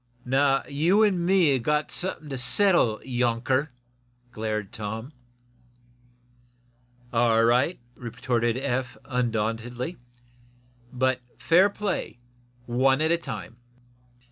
"Now, you an' me have got something to settle, younker," glared Tom. "All right," retorted Eph, undauntedly. "But fair play one at a time."